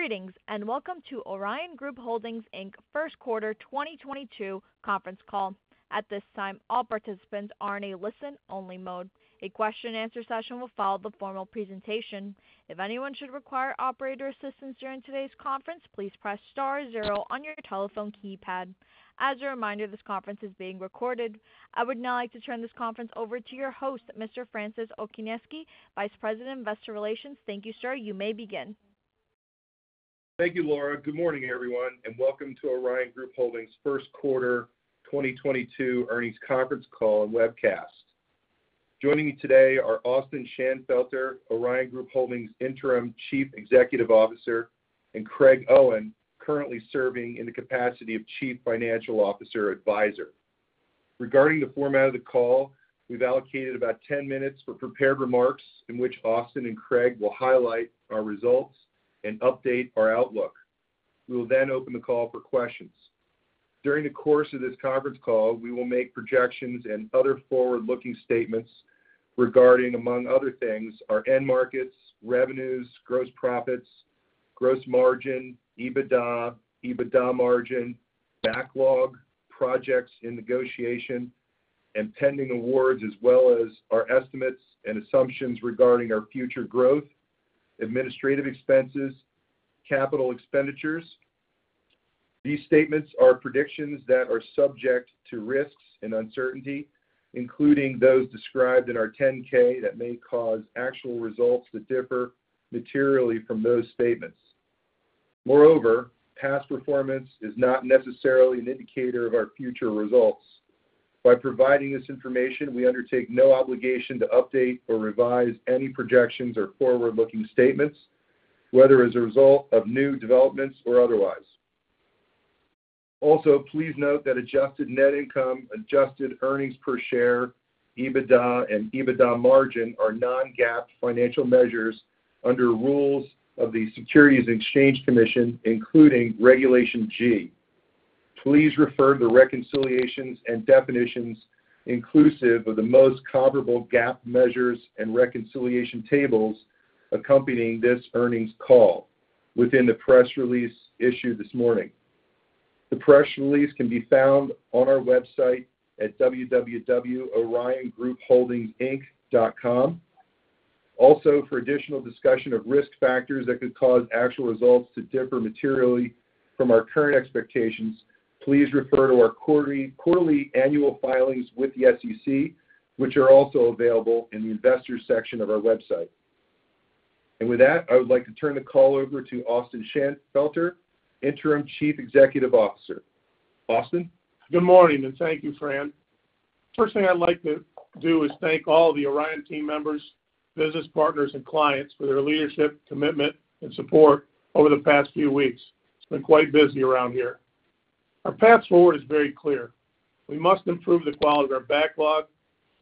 Greetings, and welcome to Orion Group Holdings, Inc First Quarter 2022 Conference Call. At this time, all participants are in a listen-only mode. A question-and-answer session will follow the formal presentation. If anyone should require operator assistance during today's conference, please press star zero on your telephone keypad. As a reminder, this conference is being recorded. I would now like to turn this conference over to your host, Mr. Francis Okoniewski, Vice President, Investor Relations. Thank you, sir. You may begin. Thank you, Laura. Good morning, everyone, and welcome to Orion Group Holdings First Quarter 2022 Earnings Conference Call and Webcast. Joining me today are Austin Shanfelter, Orion Group Holdings Interim Chief Executive Officer, and Craig Owen, currently serving in the capacity of Chief Financial Officer Advisor. Regarding the format of the call, we've allocated about 10 minutes for prepared remarks, in which Austin and Craig will highlight our results and update our outlook. We will then open the call for questions. During the course of this conference call, we will make projections and other forward-looking statements regarding, among other things, our end markets, revenues, gross profits, gross margin, EBITDA margin, backlog, projects in negotiation, and pending awards, as well as our estimates and assumptions regarding our future growth, administrative expenses, capital expenditures. These statements are predictions that are subject to risks and uncertainty, including those described in our 10-K that may cause actual results to differ materially from those statements. Moreover, past performance is not necessarily an indicator of our future results. By providing this information, we undertake no obligation to update or revise any projections or forward-looking statements, whether as a result of new developments or otherwise. Also, please note that adjusted net income, adjusted earnings per share, EBITDA, and EBITDA margin are non-GAAP financial measures under rules of the Securities and Exchange Commission, including Regulation G. Please refer to reconciliations and definitions inclusive of the most comparable GAAP measures and reconciliation tables accompanying this earnings call within the press release issued this morning. The press release can be found on our website at www.oriongroupholdingsinc.com. Also, for additional discussion of risk factors that could cause actual results to differ materially from our current expectations, please refer to our quarterly annual filings with the SEC, which are also available in the investors section of our website. With that, I would like to turn the call over to Austin Shanfelter, Interim Chief Executive Officer. Austin? Good morning, and thank you, Fran. First thing I'd like to do is thank all the Orion team members, business partners and clients for their leadership, commitment and support over the past few weeks. It's been quite busy around here. Our path forward is very clear. We must improve the quality of our backlog,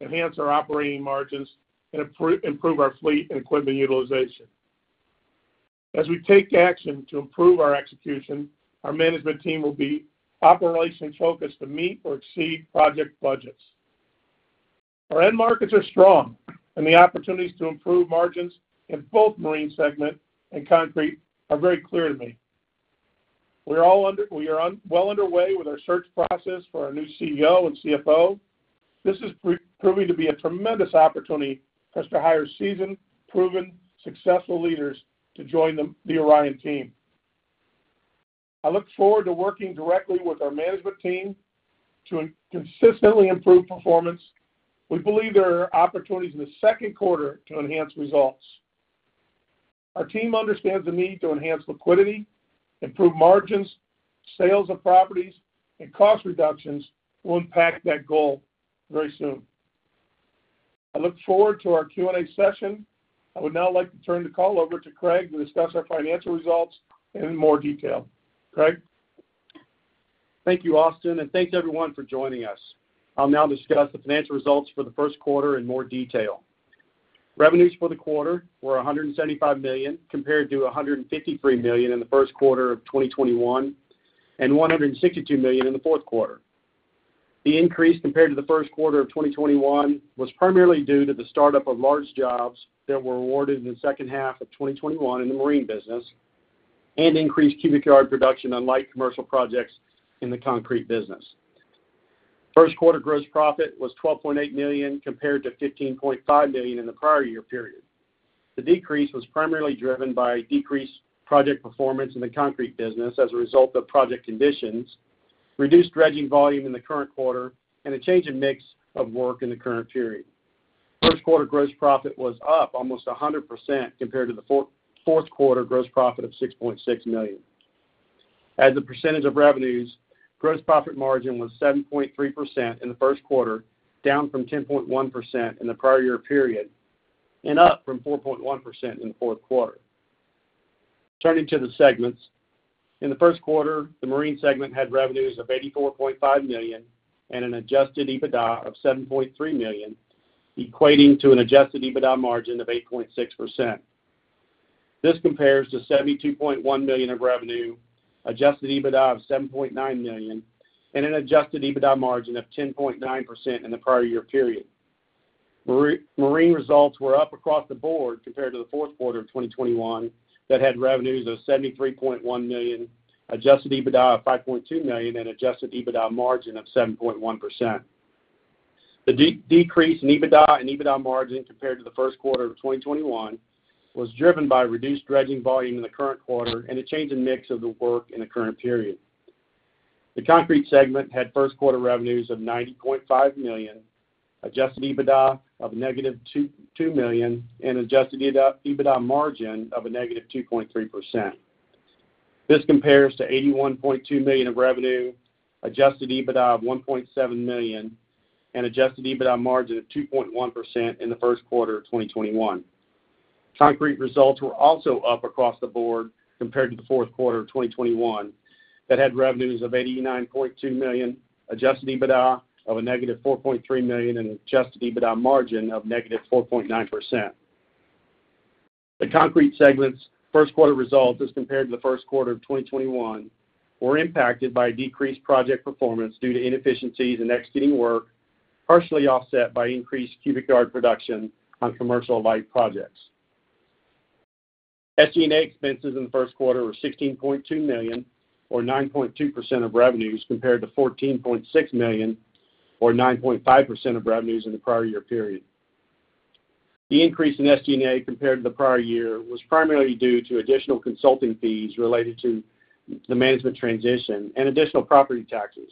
enhance our operating margins, and improve our fleet and equipment utilization. As we take action to improve our execution, our management team will be operation-focused to meet or exceed project budgets. Our end markets are strong, and the opportunities to improve margins in both marine segment and concrete are very clear to me. We are well underway with our search process for our new CEO and CFO. This is proving to be a tremendous opportunity for us to hire seasoned, proven, successful leaders to join the Orion team. I look forward to working directly with our management team to consistently improve performance. We believe there are opportunities in the second quarter to enhance results. Our team understands the need to enhance liquidity, improve margins, sales of properties, and cost reductions will impact that goal very soon. I look forward to our Q&A session. I would now like to turn the call over to Craig to discuss our financial results in more detail. Craig? Thank you, Austin, and thanks everyone for joining us. I'll now discuss the financial results for the first quarter in more detail. Revenues for the quarter were $175 million compared to $153 million in the first quarter of 2021, and $162 million in the fourth quarter. The increase compared to the first quarter of 2021 was primarily due to the start-up of large jobs that were awarded in the second half of 2021 in the marine business and increased cubic yard production on light commercial projects in the concrete business. First quarter gross profit was $12.8 million compared to $15.5 million in the prior year period. The decrease was primarily driven by decreased project performance in the concrete business as a result of project conditions, reduced dredging volume in the current quarter, and a change in mix of work in the current period. First quarter gross profit was up almost 100% compared to the fourth quarter gross profit of $6.6 million. As a percentage of revenues, gross profit margin was 7.3% in the first quarter, down from 10.1% in the prior year period and up from 4.1% in the fourth quarter. Turning to the segments. In the first quarter, the marine segment had revenues of $84.5 million and an adjusted EBITDA of $7.3 million, equating to an adjusted EBITDA margin of 8.6%. This compares to $72.1 million of revenue, adjusted EBITDA of $7.9 million, and an adjusted EBITDA margin of 10.9% in the prior year period. Marine results were up across the board compared to the fourth quarter of 2021 that had revenues of $73.1 million, adjusted EBITDA of $5.2 million, and adjusted EBITDA margin of 7.1%. The decrease in EBITDA and EBITDA margin compared to the first quarter of 2021 was driven by reduced dredging volume in the current quarter and a change in mix of the work in the current period. The concrete segment had first quarter revenues of $90.5 million, adjusted EBITDA of -$2 million, and adjusted EBITDA margin of -2.3%. This compares to $81.2 million of revenue, adjusted EBITDA of $1.7 million, and adjusted EBITDA margin of 2.1% in the first quarter of 2021. Concrete results were also up across the board compared to the fourth quarter of 2021 that had revenues of $89.2 million, adjusted EBITDA of -$4.3 million, and adjusted EBITDA margin of -4.9%. The concrete segment's first quarter results as compared to the first quarter of 2021 were impacted by decreased project performance due to inefficiencies in executing work, partially offset by increased cubic yard production on commercial light projects. SG&A expenses in the first quarter were $16.2 million or 9.2% of revenues, compared to $14.6 million or 9.5% of revenues in the prior year period. The increase in SG&A compared to the prior year was primarily due to additional consulting fees related to the management transition and additional property taxes,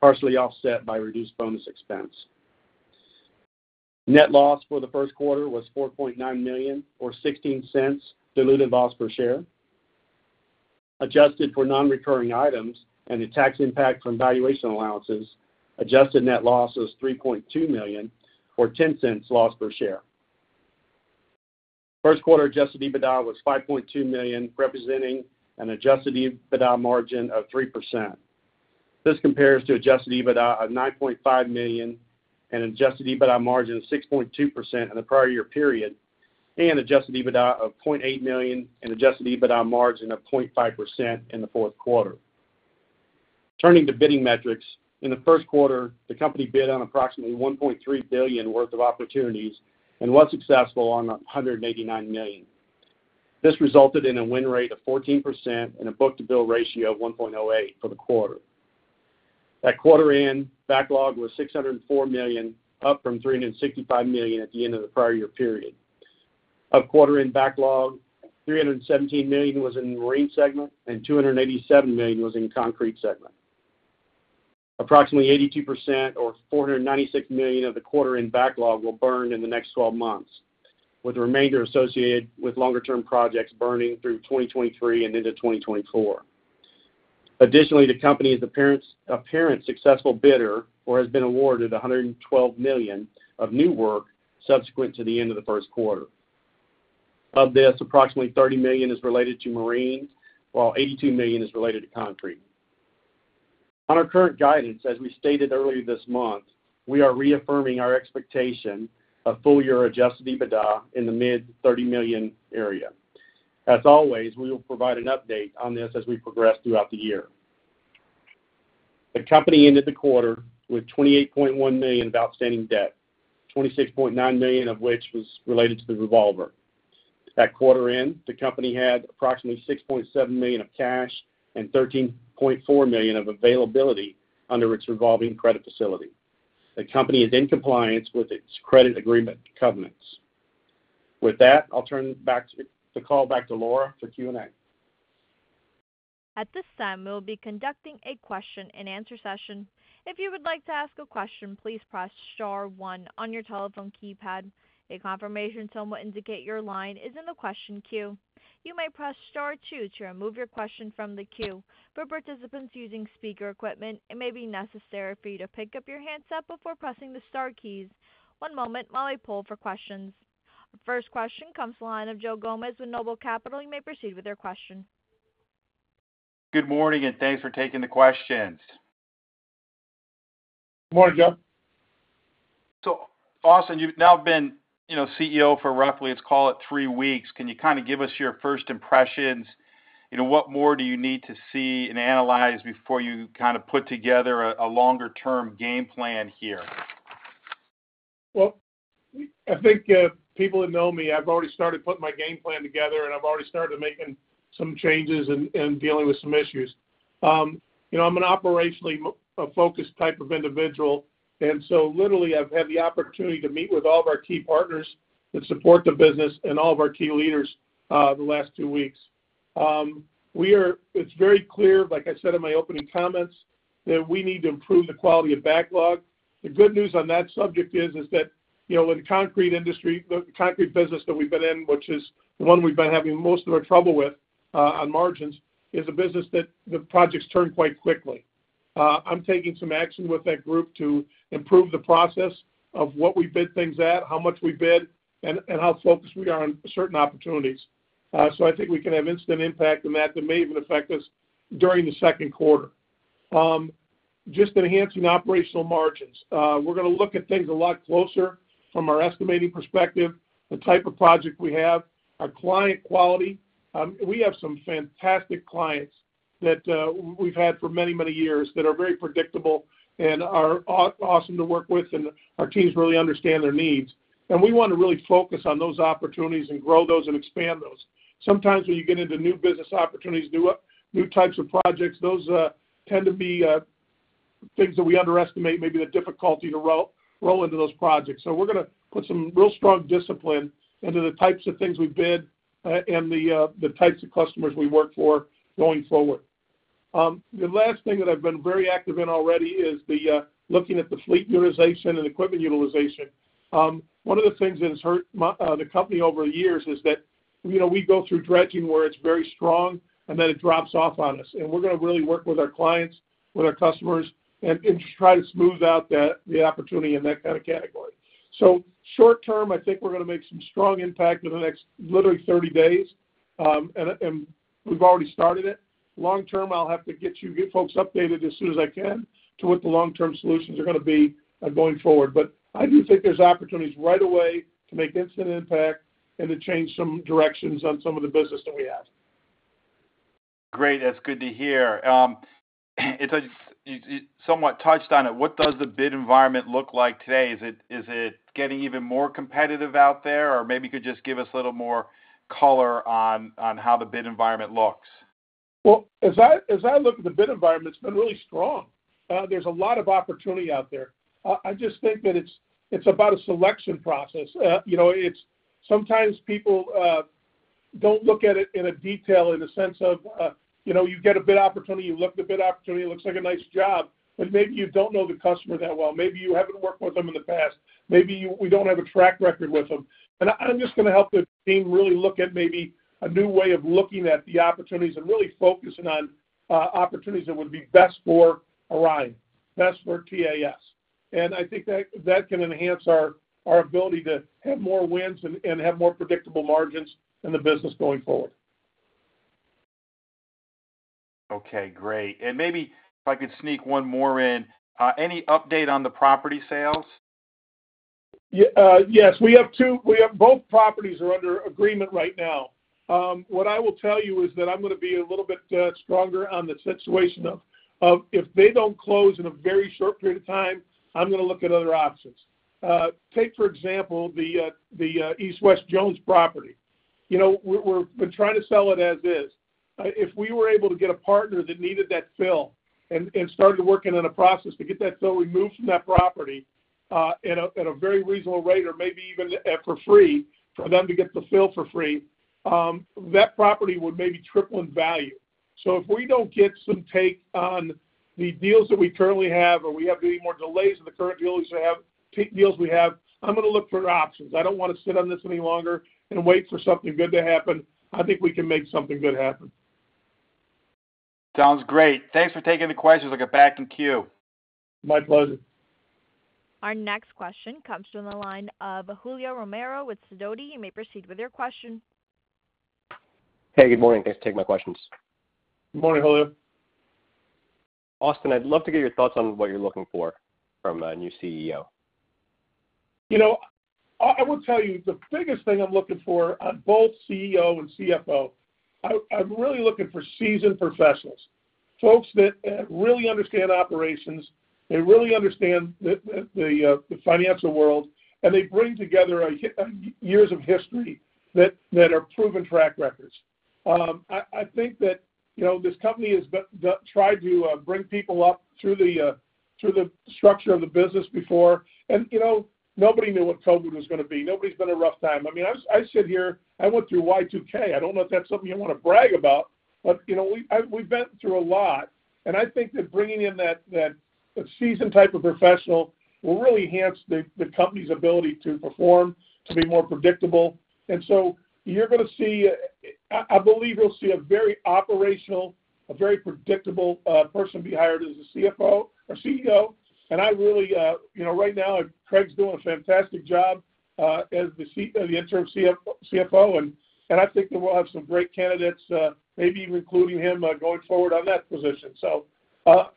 partially offset by reduced bonus expense. Net loss for the first quarter was $4.9 million or $0.16 diluted loss per share. Adjusted for non-recurring items and the tax impact from valuation allowances, adjusted net loss was $3.2 million or $0.10 loss per share. First quarter adjusted EBITDA was $5.2 million, representing an adjusted EBITDA margin of 3%. This compares to adjusted EBITDA of $9.5 million and adjusted EBITDA margin of 6.2% in the prior year period and adjusted EBITDA of $0.8 million and adjusted EBITDA margin of 0.5% in the fourth quarter. Turning to bidding metrics, in the first quarter, the company bid on approximately $1.3 billion worth of opportunities and was successful on $189 million. This resulted in a win rate of 14% and a book-to-bill ratio of 1.08x for the quarter. At quarter-end, backlog was $604 million, up from $365 million at the end of the prior year period. Of quarter-end backlog, $317 million was in the marine segment and $287 million was in the concrete segment. Approximately 82% or $496 million of the quarter-end backlog will burn in the next 12 months, with the remainder associated with longer-term projects burning through 2023 and into 2024. The company is apparently the successful bidder and has been awarded $112 million of new work subsequent to the end of the first quarter. Of this, approximately $30 million is related to marine, while $82 million is related to concrete. On our current guidance, as we stated earlier this month, we are reaffirming our expectation of full year adjusted EBITDA in the mid-$30 million area. As always, we will provide an update on this as we progress throughout the year. The company ended the quarter with $28.1 million of outstanding debt, $26.9 million of which was related to the revolver. At quarter end, the company had approximately $6.7 million of cash and $13.4 million of availability under its revolving credit facility. The company is in compliance with its credit agreement covenants. With that, I'll turn the call back to Laura for Q&A. At this time, we will be conducting a question and answer session. If you would like to ask a question, please press star one on your telephone keypad. A confirmation tone will indicate your line is in the question queue. You may press star two to remove your question from the queue. For participants using speaker equipment, it may be necessary for you to pick up your handset before pressing the star keys. One moment while I poll for questions. Our first question comes from the line of Joe Gomes with Noble Capital. You may proceed with your question. Good morning, and thanks for taking the questions. Good morning, Joe. Austin, you've now been, you know, CEO for roughly, let's call it three weeks. Can you kind of give us your first impressions? You know, what more do you need to see and analyze before you kind of put together a longer-term game plan here? Well, I think people who know me, I've already started putting my game plan together, and I've already started making some changes and dealing with some issues. You know, I'm an operationally focused type of individual, and so literally, I've had the opportunity to meet with all of our key partners that support the business and all of our key leaders the last two weeks. It's very clear, like I said in my opening comments, that we need to improve the quality of backlog. The good news on that subject is that, you know, in the concrete industry, the concrete business that we've been in, which is the one we've been having most of our trouble with on margins, is a business that the projects turn quite quickly. I'm taking some action with that group to improve the process of what we bid things at, how much we bid, and how focused we are on certain opportunities. I think we can have instant impact on that that may even affect us during the second quarter. Just enhancing operational margins. We're gonna look at things a lot closer from our estimating perspective, the type of project we have, our client quality. We have some fantastic clients. That we've had for many, many years that are very predictable and are awesome to work with, and our teams really understand their needs. We wanna really focus on those opportunities and grow those and expand those. Sometimes when you get into new business opportunities, new types of projects, those tend to be things that we underestimate, maybe the difficulty to roll into those projects. We're gonna put some real strong discipline into the types of things we bid and the types of customers we work for going forward. The last thing that I've been very active in already is the looking at the fleet utilization and equipment utilization. One of the things that has hurt the company over the years is that, you know, we go through dredging where it's very strong, and then it drops off on us. We're gonna really work with our clients, with our customers and try to smooth out that, the opportunity in that kind of category. Short-term, I think we're gonna make some strong impact in the next literally 30 days, and we've already started it. Long-term, I'll have to get folks updated as soon as I can to what the long-term solutions are gonna be, going forward. I do think there's opportunities right away to make instant impact and to change some directions on some of the business that we have. Great. That's good to hear. You somewhat touched on it. What does the bid environment look like today? Is it getting even more competitive out there? Or maybe you could just give us a little more color on how the bid environment looks. Well, as I look at the bid environment, it's been really strong. There's a lot of opportunity out there. I just think that it's about a selection process. You know, it's sometimes people don't look at it in detail in the sense of, you know, you get a bid opportunity, you look at the bid opportunity, it looks like a nice job, but maybe you don't know the customer that well. Maybe you haven't worked with them in the past. Maybe we don't have a track record with them. I'm just gonna help the team really look at maybe a new way of looking at the opportunities and really focusing on opportunities that would be best for Orion, best for TAS. I think that can enhance our ability to have more wins and have more predictable margins in the business going forward. Okay, great. Maybe if I could sneak one more in, any update on the property sales? Yes. We have two. Both properties are under agreement right now. What I will tell you is that I'm gonna be a little bit stronger on the situation of if they don't close in a very short period of time. I'm gonna look at other options. For example, the East West Jones property. You know, we're trying to sell it as is. If we were able to get a partner that needed that fill and started working in a process to get that fill removed from that property, at a very reasonable rate or maybe even for free, for them to get the fill for free, that property would maybe triple in value. If we don't get some take on the deals that we currently have or we have any more delays with the current deals we have, I'm gonna look for options. I don't wanna sit on this any longer and wait for something good to happen. I think we can make something good happen. Sounds great. Thanks for taking the questions. I'll get back in queue. My pleasure. Our next question comes from the line of Julio Romero with Sidoti. You may proceed with your question. Hey, good morning. Thanks for taking my questions. Good morning, Julio. Austin, I'd love to get your thoughts on what you're looking for from a new CEO. You know, I will tell you the biggest thing I'm looking for on both CEO and CFO. I'm really looking for seasoned professionals, folks that really understand operations. They really understand the financial world, and they bring together years of history that are proven track records. I think that, you know, this company has tried to bring people up through the structure of the business before. You know, nobody knew what COVID was gonna be. Nobody's been through a rough time. I mean, I sit here, I went through Y2K. I don't know if that's something you wanna brag about, but, you know, we've been through a lot. I think that bringing in that seasoned type of professional will really enhance the company's ability to perform, to be more predictable. You're gonna see. I believe you'll see a very operational, a very predictable person be hired as a CFO or CEO. I really, you know, right now, Craig's doing a fantastic job as the interim CFO, and I think that we'll have some great candidates, maybe even including him, going forward on that position.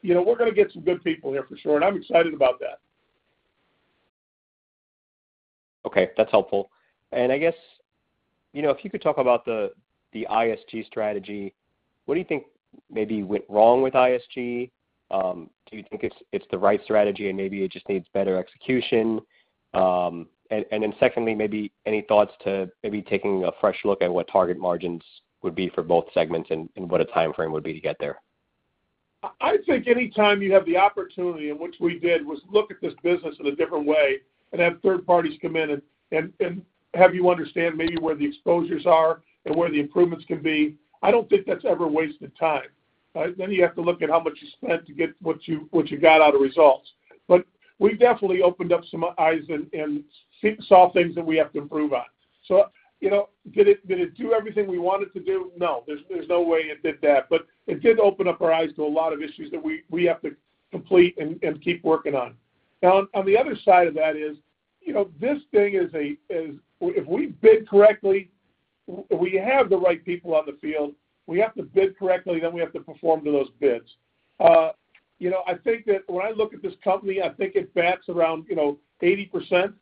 You know, we're gonna get some good people here for sure, and I'm excited about that. Okay, that's helpful. I guess, you know, if you could talk about the ISG strategy, what do you think maybe went wrong with ISG? Do you think it's the right strategy and maybe it just needs better execution? Then secondly, maybe any thoughts to maybe taking a fresh look at what target margins would be for both segments and what a timeframe would be to get there? I think anytime you have the opportunity in which we did, was look at this business in a different way and have third parties come in and have you understand maybe where the exposures are and where the improvements can be. I don't think that's ever wasted time, right? You have to look at how much you spent to get what you got out of results. We definitely opened up some eyes and saw things that we have to improve on. You know, did it do everything we want it to do? No. There's no way it did that. It did open up our eyes to a lot of issues that we have to complete and keep working on. Now, on the other side of that is, you know, this thing is if we bid correctly, we have the right people on the field, we have to bid correctly, then we have to perform to those bids. You know, I think that when I look at this company, I think it bats around, you know, 80%,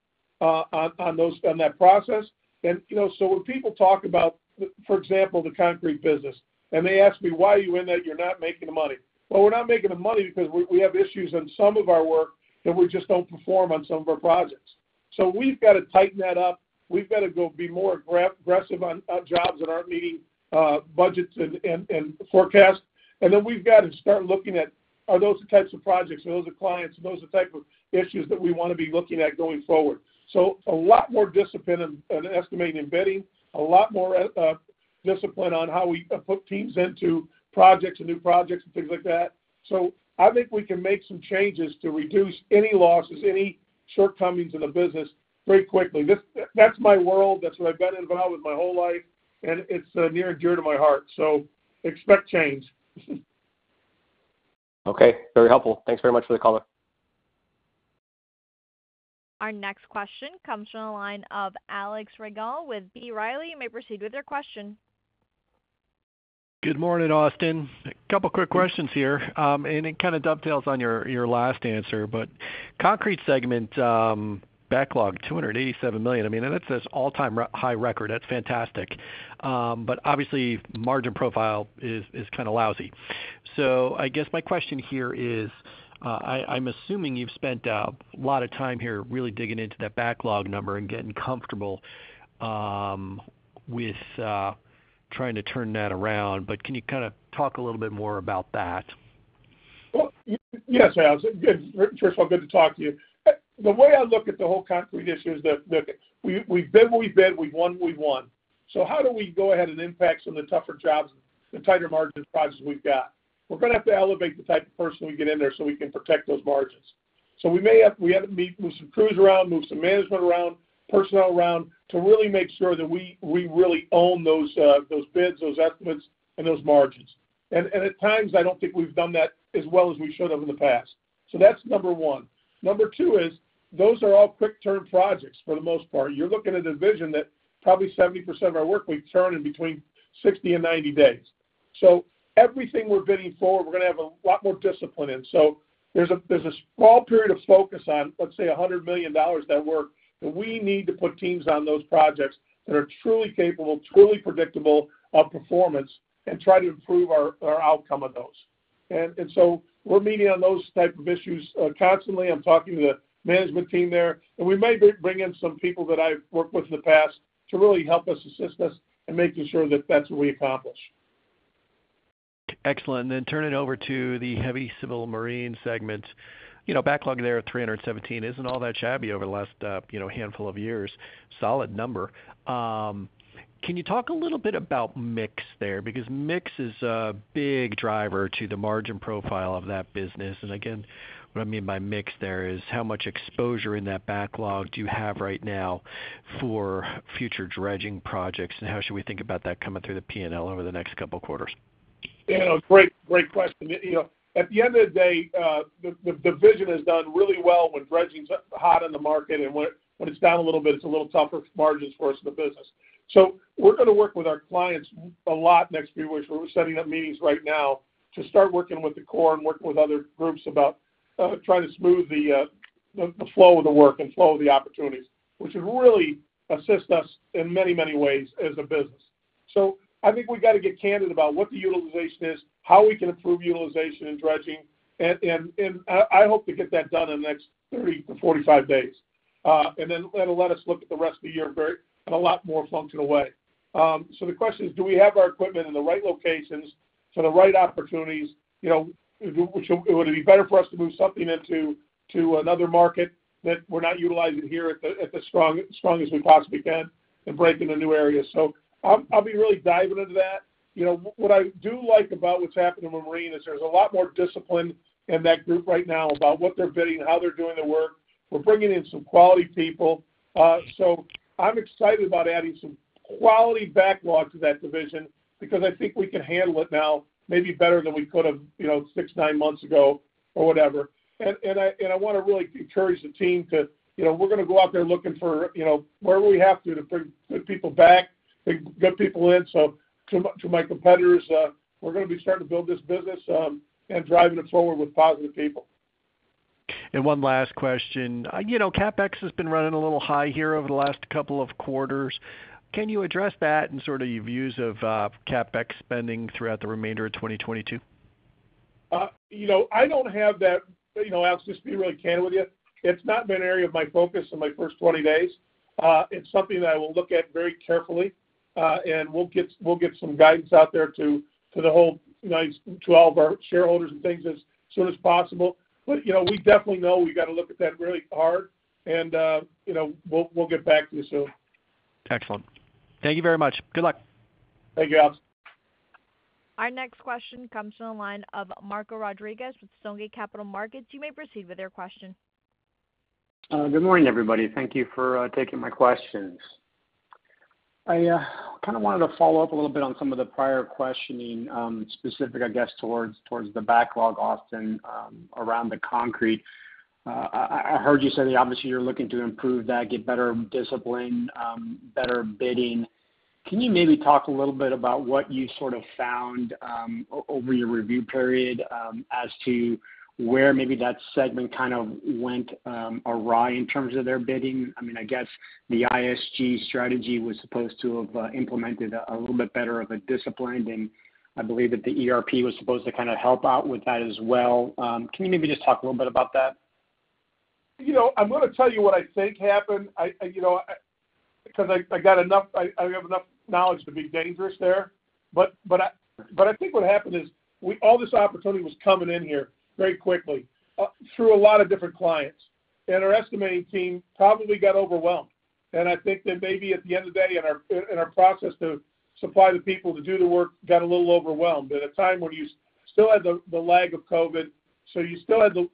on that process. You know, so when people talk about, for example, the concrete business, and they ask me, "Why are you in that? You're not making the money." Well, we're not making the money because we have issues in some of our work, and we just don't perform on some of our projects. So we've got to tighten that up. We've got to go be more aggressive on jobs that aren't meeting budgets and forecasts. We've got to start looking at, are those the types of projects, are those the clients, are those the type of issues that we want to be looking at going forward? A lot more discipline in estimating and bidding. A lot more discipline on how we put teams into projects and new projects and things like that. I think we can make some changes to reduce any losses, any shortcomings in the business very quickly. That's my world. That's what I've been involved with my whole life, and it's near and dear to my heart. Expect change. Okay. Very helpful. Thanks very much for the color. Our next question comes from the line of Alex Rygiel with B. Riley. You may proceed with your question. Good morning, Austin. A couple quick questions here. It kind of dovetails on your last answer, but concrete segment backlog $287 million. I mean, that's this all-time record high. That's fantastic. But obviously, margin profile is kind of lousy. I guess my question here is, I'm assuming you've spent a lot of time here really digging into that backlog number and getting comfortable with trying to turn that around. But can you kind of talk a little bit more about that? Well, yes, Alex. Good. First of all, good to talk to you. The way I look at the whole concrete issue is that, look, we've bid what we bid, we've won what we've won. How do we go ahead and impact some of the tougher jobs, the tighter margin projects we've got? We're going to have to elevate the type of person we get in there so we can protect those margins. We have to move some crews around, move some management around, personnel around to really make sure that we really own those bids, those estimates, and those margins. At times, I don't think we've done that as well as we should have in the past. That's number one. Number two is, those are all quick turn projects for the most part. You're looking at a division that probably 70% of our work we turn in between 60-90 days. Everything we're bidding for, we're going to have a lot more discipline in. There's a small period of focus on, let's say, a $100 million network, that we need to put teams on those projects that are truly capable, truly predictable of performance and try to improve our outcome of those. So we're meeting on those type of issues constantly. I'm talking to the management team there. We may bring in some people that I've worked with in the past to really help us, assist us in making sure that that's what we accomplish. Excellent. Then turning over to the heavy civil marine segment. You know, backlog there at $317 isn't all that shabby over the last, you know, handful of years. Solid number. Can you talk a little bit about mix there? Because mix is a big driver to the margin profile of that business. Again, what I mean by mix there is how much exposure in that backlog do you have right now for future dredging projects, and how should we think about that coming through the P&L over the next couple of quarters? Yeah. Great question. You know, at the end of the day, the division has done really well when dredging's hot in the market, and when it's down a little bit, it's a little tougher margins for us in the business. We're going to work with our clients a lot next few weeks. We're setting up meetings right now to start working with the corps and working with other groups about trying to smooth the flow of the work and flow of the opportunities. Which will really assist us in many, many ways as a business. I think we got to get candid about what the utilization is, how we can improve utilization and dredging. I hope to get that done in the next 30-45 days. It'll let us look at the rest of the year very in a lot more functional way. The question is, do we have our equipment in the right locations for the right opportunities? You know, would it be better for us to move something into to another market that we're not utilizing here at the strong as strong as we possibly can and break into new areas? I'll be really diving into that. You know, what I do like about what's happening with marine is there's a lot more discipline in that group right now about what they're bidding, how they're doing the work. We're bringing in some quality people. I'm excited about adding some quality backlog to that division because I think we can handle it now maybe better than we could have, you know, six, nine months ago or whatever. I want to really encourage the team to, you know, we're going to go out there looking for, you know, where we have to to bring good people back, to get people in. To my competitors, we're going to be starting to build this business and driving it forward with positive people. One last question. You know, CapEx has been running a little high here over the last couple of quarters. Can you address that and sort of your views of CapEx spending throughout the remainder of 2022? You know, I don't have that. You know, Alex, just to be really candid with you, it's not been an area of my focus in my first 20 days. It's something that I will look at very carefully, and we'll get some guidance out there to the whole, you know, to all of our shareholders and things as soon as possible. You know, we definitely know we got to look at that really hard and, you know, we'll get back to you soon. Excellent. Thank you very much. Good luck. Thank you, Alex. Our next question comes from the line of Marco Rodriguez with Stonegate Capital Markets. You may proceed with your question. Good morning, everybody. Thank you for taking my questions. I kind of wanted to follow up a little bit on some of the prior questioning, specific, I guess, towards the backlog, Austin, around the concrete. I heard you say that obviously you're looking to improve that, get better discipline, better bidding. Can you maybe talk a little bit about what you sort of found, over your review period, as to where maybe that segment kind of went, awry in terms of their bidding? I mean, I guess the ISG strategy was supposed to have implemented a little bit better of a disciplined, and I believe that the ERP was supposed to kind of help out with that as well. Can you maybe just talk a little bit about that? You know, I'm gonna tell you what I think happened. You know, I have enough knowledge to be dangerous there. I think what happened is all this opportunity was coming in here very quickly through a lot of different clients. Our estimating team probably got overwhelmed. I think that maybe at the end of the day, in our process to supply the people to do the work got a little overwhelmed at a time when you still had the lag of COVID, so you still had the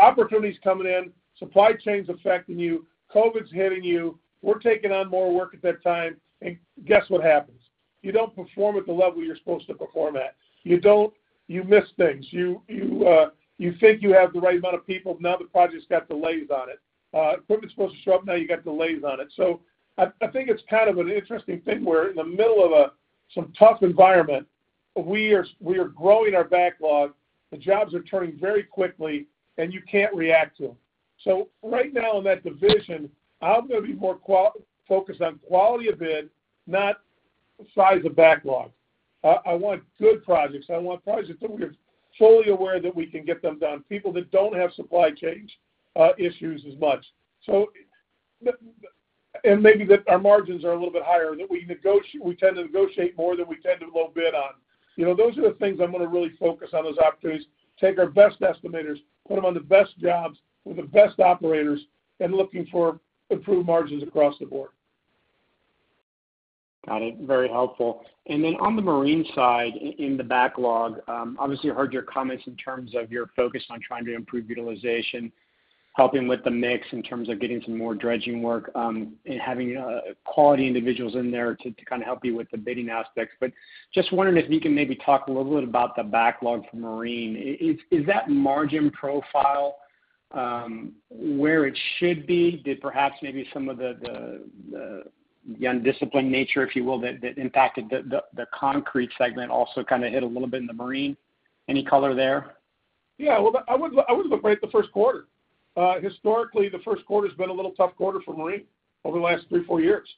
opportunities coming in, supply chains affecting you, COVID's hitting you, we're taking on more work at that time, and guess what happens? You don't perform at the level you're supposed to perform at. You miss things. You think you have the right amount of people, now the project's got delays on it. Equipment's supposed to show up, now you got delays on it. I think it's kind of an interesting thing. We're in the middle of some tough environment. We are growing our backlog, the jobs are turning very quickly, and you can't react to them. Right now in that division, I'm gonna be more focused on quality of bid, not size of backlog. I want good projects. I want projects that we are fully aware that we can get them done, people that don't have supply chains issues as much. Maybe that our margins are a little bit higher, that we tend to negotiate more than we tend to low bid on. You know, those are the things I'm gonna really focus on, those opportunities, take our best estimators, put them on the best jobs with the best operators, and looking for improved margins across the board. Got it. Very helpful. Then on the marine side, in the backlog, obviously I heard your comments in terms of your focus on trying to improve utilization, helping with the mix in terms of getting some more dredging work, and having quality individuals in there to kind of help you with the bidding aspects. Just wondering if you can maybe talk a little bit about the backlog for marine. Is that margin profile where it should be? Did perhaps maybe some of the undisciplined nature, if you will, that impacted the concrete segment also kind of hit a little bit in the marine? Any color there? Yeah. Well, I would look right at the first quarter. Historically, the first quarter's been a little tough quarter for marine over the last three-four years.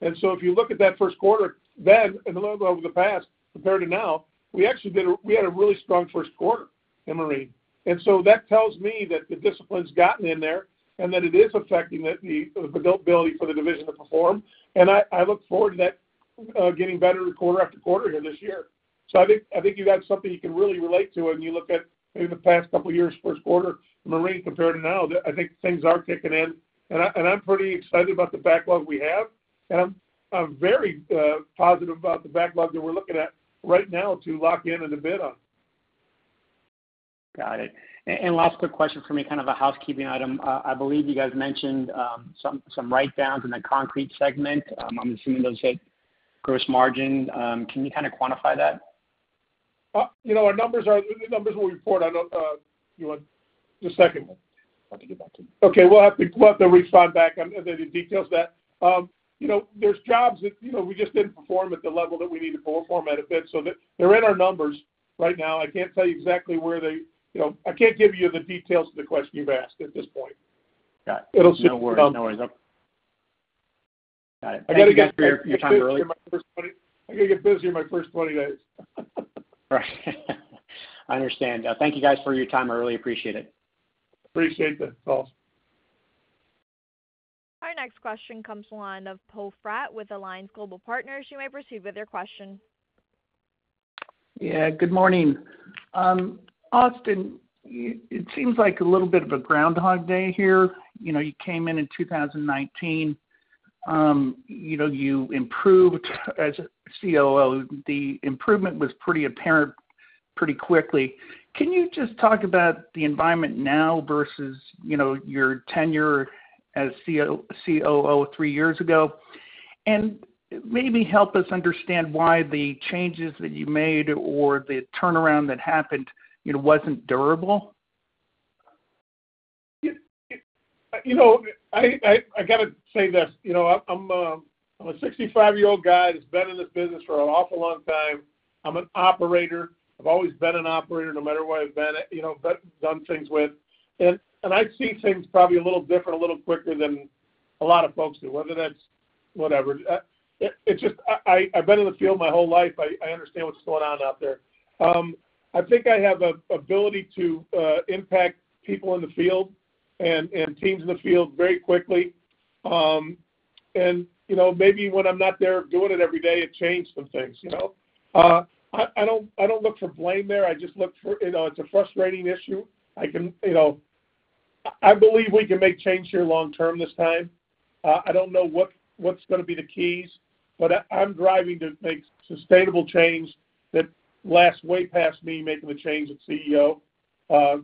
If you look at that first quarter then and a little bit over the past compared to now, we had a really strong first quarter in marine. That tells me that the discipline's gotten in there and that it is affecting the ability for the division to perform. I look forward to that getting better quarter after quarter here this year. I think you got something you can really relate to when you look at maybe the past couple years, first quarter marine compared to now. I think things are kicking in. I'm pretty excited about the backlog we have. I'm very positive about the backlog that we're looking at right now to lock in and to bid on. Got it. Last quick question for me, kind of a housekeeping item. I believe you guys mentioned some write-downs in the concrete segment. I'm assuming those hit gross margin. Can you kind of quantify that? You know, our numbers are the numbers we report. I don't. You want the second one. I can get back to you. Okay. We'll have to respond back on the details of that. You know, there's jobs that, you know, we just didn't perform at the level that we need to perform at all. They're in our numbers right now. I can't tell you exactly where they are. You know, I can't give you the details to the question you've asked at this point. Got it. No worries. I've got it. Thank you guys for your time. I really-- I gotta get busy in my first 20 days. Right. I understand. Thank you guys for your time. I really appreciate it. Appreciate that, Rod. Our next question comes to the line of Poe Fratt with Alliance Global Partners. You may proceed with your question. Yeah, good morning. Austin, it seems like a little bit of a Groundhog Day here. You know, you came in in 2019. You know, you improved as a COO. The improvement was pretty apparent pretty quickly. Can you just talk about the environment now versus, you know, your tenure as COO three years ago? Maybe help us understand why the changes that you made or the turnaround that happened, it wasn't durable. You know, I gotta say this, you know, I'm a 65-year-old guy that's been in this business for an awful long time. I'm an operator. I've always been an operator no matter where I've been, you know, done things with. I've seen things probably a little different, a little quicker than a lot of folks do, whether that's whatever. I've been in the field my whole life. I understand what's going on out there. I think I have an ability to impact people in the field and teams in the field very quickly. You know, maybe when I'm not there doing it every day, it changed some things, you know. I don't look for blame there. I just look for. You know, it's a frustrating issue. You know, I believe we can make change here long term this time. I don't know what's gonna be the keys, but I'm driving to make sustainable change that lasts way past me making the change of CEO,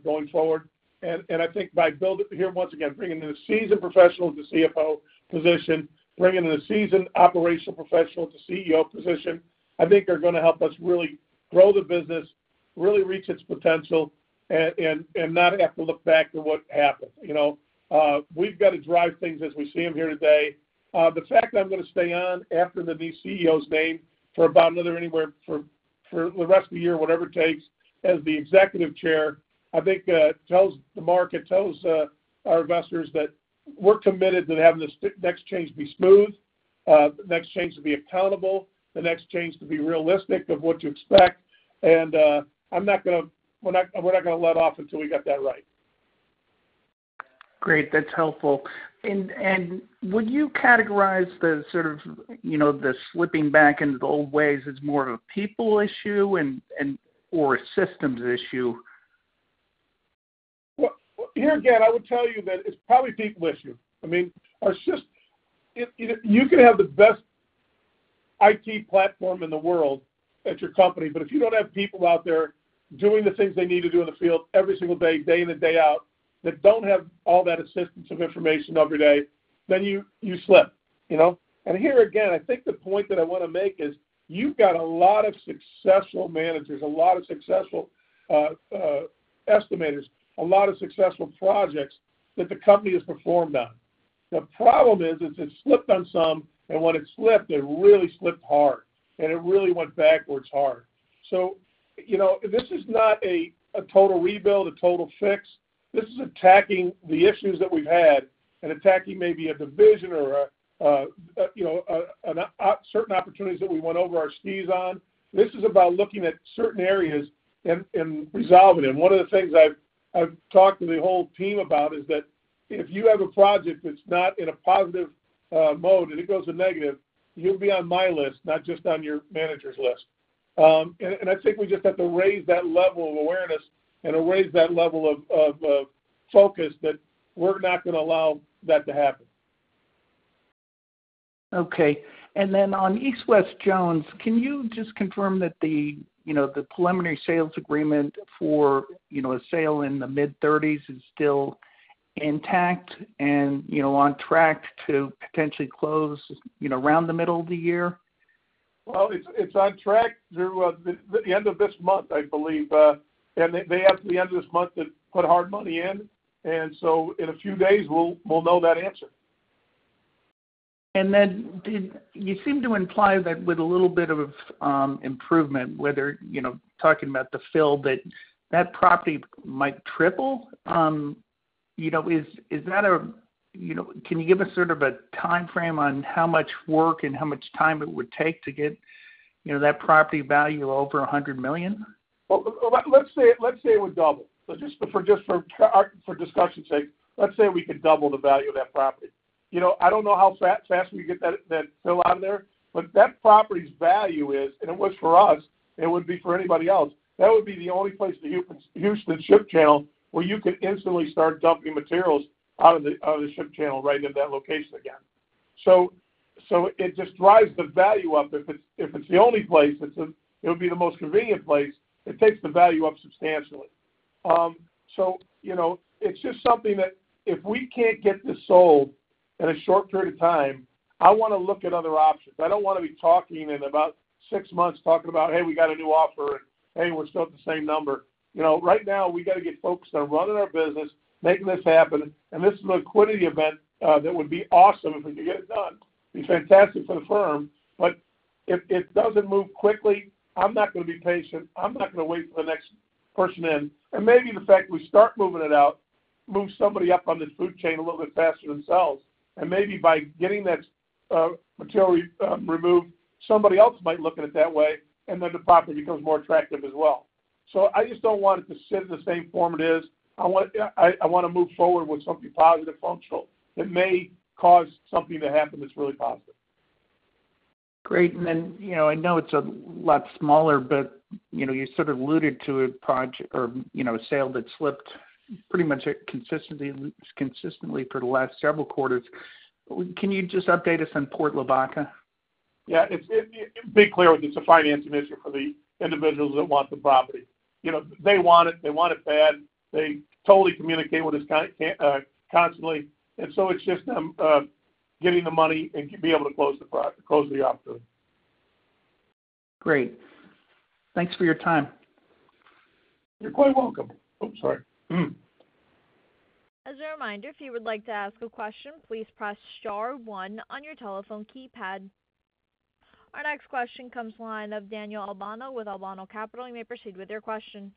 going forward. I think by building here, once again, bringing in a seasoned professional to CFO position, bringing in a seasoned operational professional to CEO position, I think are gonna help us really grow the business. Really reach its potential and not have to look back to what happened, you know. We've got to drive things as we see them here today. The fact that I'm gonna stay on after the new CEO's named for about another year, for the rest of the year, whatever it takes, as the executive chair, I think, tells the market, our investors that we're committed to having this next change be smooth, the next change to be accountable, the next change to be realistic of what to expect. We're not gonna let up until we get that right. Great, that's helpful. Would you categorize the sort of, you know, the slipping back into the old ways as more of a people issue or a systems issue? Well, here again, I would tell you that it's probably people issue. I mean, you can have the best IT platform in the world at your company, but if you don't have people out there doing the things they need to do in the field every single day in and day out, that don't have all that assistance of information every day, then you slip, you know. Here again, I think the point that I wanna make is you've got a lot of successful managers, a lot of successful estimators, a lot of successful projects that the company has performed on. The problem is it slipped on some, and when it slipped, it really slipped hard, and it really went backwards hard. You know, this is not a total rebuild, a total fix. This is attacking the issues that we've had and attacking maybe a division or a, you know, a certain opportunities that we went over our skis on. This is about looking at certain areas and resolving them. One of the things I've talked to the whole team about is that if you have a project that's not in a positive mode, and it goes to negative, you'll be on my list, not just on your manager's list. I think we just have to raise that level of awareness and raise that level of focus that we're not gonna allow that to happen. Okay. On East West Jones, can you just confirm that the, you know, the preliminary sales agreement for, you know, a sale in the mid-30s is still intact and, you know, on track to potentially close, you know, around the middle of the year? Well, it's on track through the end of this month, I believe. They have until the end of this month to put hard money in. In a few days, we'll know that answer. You seem to imply that with a little bit of improvement, whether you know talking about the fill, that that property might triple. You know, is that a, you know, can you give us sort of a timeframe on how much work and how much time it would take to get you know that property value over $100 million? Well, let's say it would double. Just for discussion sake, let's say we could double the value of that property. You know, I don't know how fast we get that fill out of there, but that property's value is, and it was for us, it wouldn't be for anybody else, that would be the only place in Houston Ship Channel where you could instantly start dumping materials out of the Ship Channel right in that location again. It just drives the value up. If it's the only place, it would be the most convenient place, it takes the value up substantially. You know, it's just something that if we can't get this sold in a short period of time, I wanna look at other options. I don't wanna be talking in about six months talking about, "Hey, we got a new offer," and, "Hey, we're still at the same number." You know, right now, we gotta get focused on running our business, making this happen. This is a liquidity event that would be awesome if we could get it done. It'd be fantastic for the firm. If it doesn't move quickly, I'm not gonna be patient. I'm not gonna wait for the next person in. Maybe the fact we start moving it out, moves somebody up on this food chain a little bit faster themselves. Maybe by getting that, material, removed, somebody else might look at it that way, and then the property becomes more attractive as well. I just don't want it to sit in the same form it is. I wanna move forward with something positive, functional, that may cause something to happen that's really positive. Great. You know, I know it's a lot smaller, but, you know, you sort of alluded to a sale that slipped pretty much consistently for the last several quarters. Can you just update us on Port Lavaca? To be clear with you, it's a financing issue for the individuals that want the property. You know, they want it. They want it bad. They totally communicate with us constantly. It's just getting the money and to be able to close the opportunity. Great. Thanks for your time. You're quite welcome. Oops, sorry. As a reminder, if you would like to ask a question, please press star one on your telephone keypad. Our next question comes from the line of Daniel Albano with Albano Capital. You may proceed with your question.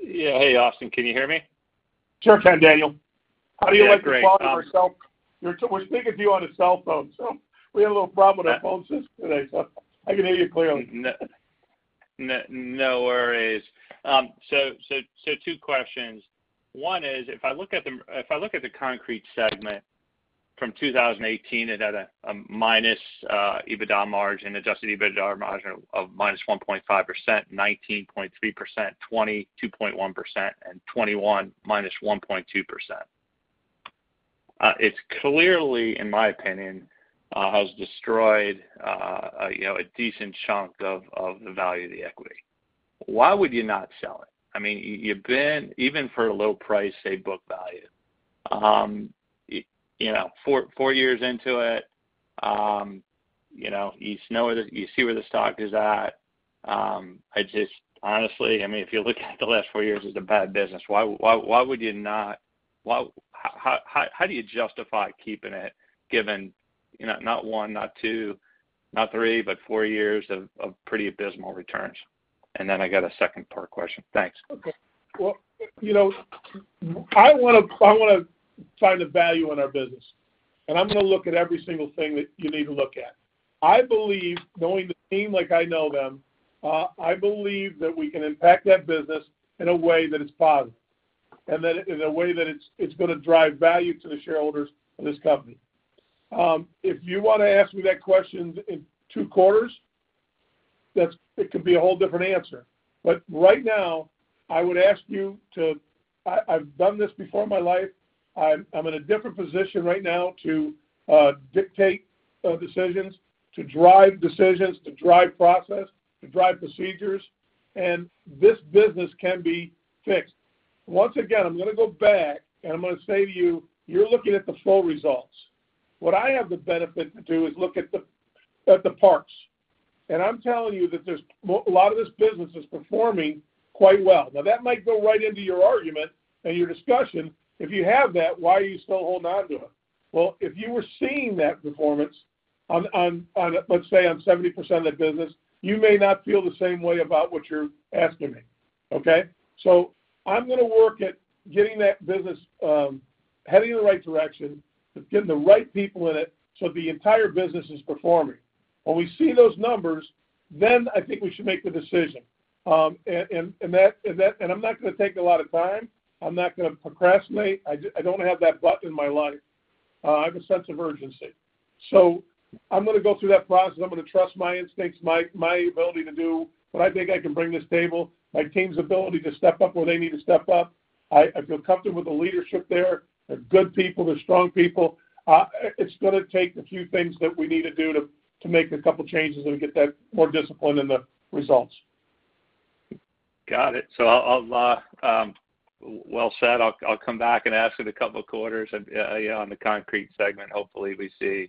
Yeah. Hey, Austin, can you hear me? Sure can, Daniel. Yeah, great. How do you like the quality of our call? We're speaking to you on a cell phone, so we have a little problem with our phone system today, so you can hear me clearly. No, no worries. So two questions. One is, if I look at the concrete segment from 2018, it had a minus adjusted EBITDA margin of -1.5%, 19.3%, 22.1%, and 21-1.2%. It's clearly, in my opinion, has destroyed you know, a decent chunk of the value of the equity. Why would you not sell it? I mean, you've been even for a low price, say, book value. You know, four years into it, you know where the you see where the stock is at. I just honestly, I mean, if you look at the last four years, it's a bad business. Why would you not. How do you justify keeping it given, you know, not one, not two, not three, but four years of pretty abysmal returns? I got a second part question. Thanks. Okay. Well, you know, I wanna find the value in our business, and I'm gonna look at every single thing that you need to look at. I believe, knowing the team like I know them, I believe that we can impact that business in a way that it's positive and in a way that it's gonna drive value to the shareholders of this company. If you wanna ask me that question in two quarters, it could be a whole different answer. Right now, I would ask you to. I've done this before in my life. I'm in a different position right now to dictate decisions, to drive decisions, to drive process, to drive procedures, and this business can be fixed. Once again, I'm gonna go back, and I'm gonna say to you're looking at the full results. What I have the benefit to do is look at the parts, and I'm telling you that there's a lot of this business is performing quite well. Now, that might go right into your argument and your discussion. If you have that, why are you still holding on to it? Well, if you were seeing that performance on, let's say, on 70% of the business, you may not feel the same way about what you're asking me, okay? I'm gonna work at getting that business heading in the right direction, getting the right people in it, so the entire business is performing. When we see those numbers, then I think we should make the decision. I'm not gonna take a lot of time. I'm not gonna procrastinate. I don't have that button in my life. I have a sense of urgency. I'm gonna go through that process. I'm gonna trust my instincts, my ability to do what I think I can bring to this table, my team's ability to step up where they need to step up. I feel comfortable with the leadership there. They're good people. They're strong people. It's gonna take the few things that we need to do to make a couple changes and get that more discipline in the results. Got it. Well said. I'll come back and ask it a couple of quarters and, yeah, on the concrete segment, hopefully we see, you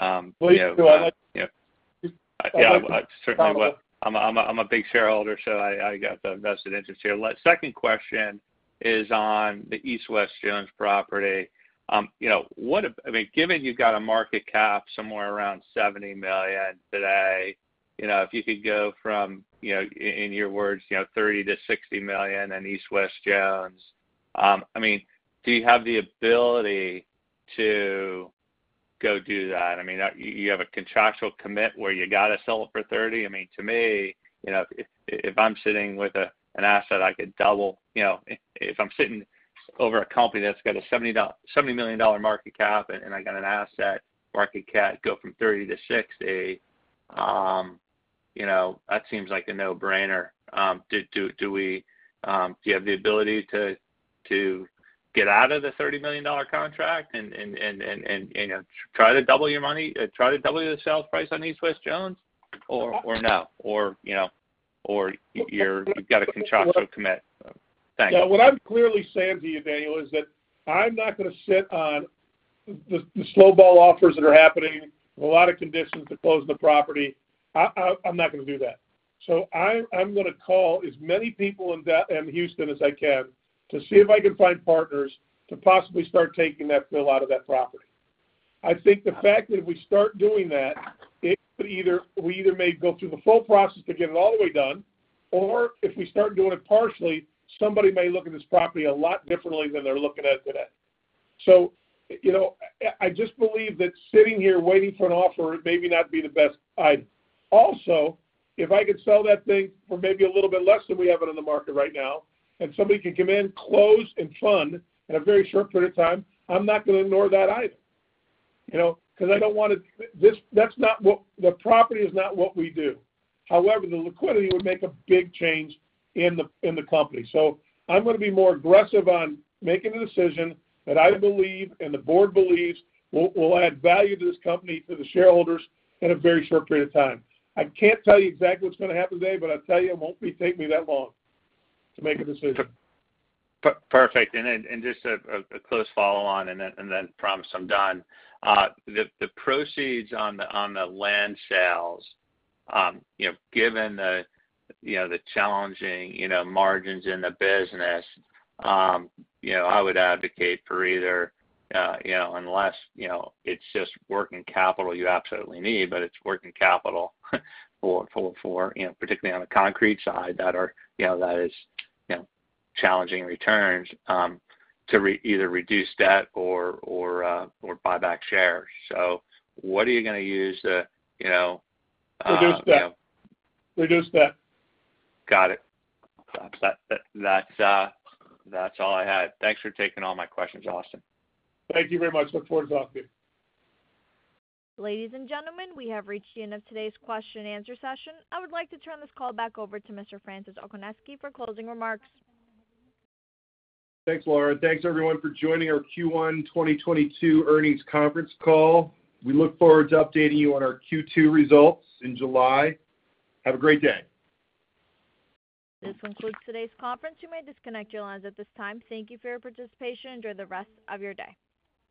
know. Please do. I'd like to-- Just follow up. Yeah. I certainly would. I'm a big shareholder, so I got the vested interest here. Second question is on the East West Jones property. You know, what if, I mean, given you've got a market cap somewhere around $70 million today, you know, if you could go from, you know, in your words, you know, $30 million-$60 million in East West Jones, I mean, do you have the ability to go do that? I mean, you have a contractual commitment where you got to sell it for $30 million. I mean, to me, you know, if I'm sitting with an asset I could double, you know, if I'm sitting over a company that's got a $70 million market cap, and I got an asset market cap go from $30 million-$60 million, you know, that seems like a no-brainer. Do you have the ability to get out of the $30 million contract and, you know, try to double your money, try to double the sales price on East West Jones or no? Or, you know, or you've got a contractual commitment. Thanks. Yeah. What I'm clearly saying to you, Daniel, is that I'm not gonna sit on the snowball offers that are happening, a lot of conditions to close the property. I'm not gonna do that. I'm gonna call as many people in Houston as I can to see if I can find partners to possibly start taking that fill out of that property. I think the fact that if we start doing that, it could either may go through the full process to get it all the way done, or if we start doing it partially, somebody may look at this property a lot differently than they're looking at it today. You know, I just believe that sitting here waiting for an offer may not be the best idea. Also, if I could sell that thing for maybe a little bit less than we have it on the market right now, and somebody can come in, close, and fund in a very short period of time, I'm not gonna ignore that either. You know, because I don't want to. The property is not what we do. However, the liquidity would make a big change in the company. I'm gonna be more aggressive on making a decision that I believe and the board believes will add value to this company, to the shareholders in a very short period of time. I can't tell you exactly what's gonna happen today, but I tell you it won't be taking me that long to make a decision. Perfect. Just a close follow on, promise I'm done. The proceeds on the land sales, you know, given the, you know, the challenging, you know, margins in the business, you know, I would advocate for either, you know, unless, you know, it's just working capital you absolutely need, but it's working capital for, you know, particularly on the concrete side that is, you know, challenging returns, you know, either reduce debt or buyback shares. What are you gonna use to, you know-- Reduce debt. Got it. That's all I had. Thanks for taking all my questions, Austin. Thank you very much. Look forward to talking to you. Ladies and gentlemen, we have reached the end of today's question and answer session. I would like to turn this call back over to Mr. Francis Okoniewski for closing remarks. Thanks, Laura. Thanks everyone for joining our Q1 2022 Earnings Conference Call. We look forward to updating you on our Q2 results in July. Have a great day. This concludes today's conference. You may disconnect your lines at this time. Thank you for your participation. Enjoy the rest of your day.